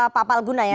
pak falgunat ya